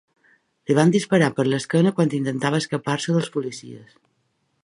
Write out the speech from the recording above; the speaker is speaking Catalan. Li van disparar per l’esquena quan intentava escapar-se dels policies.